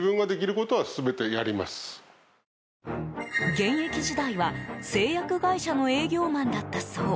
現役時代は製薬会社の営業マンだったそう。